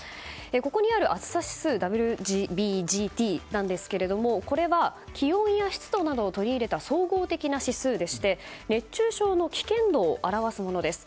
ここにある暑さ指数ＷＢＧＴなんですがこれは気温や湿度などを取り入れた総合的な指数でして熱中症の危険度を表すものです。